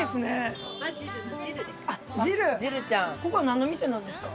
ここは何の店なんですか？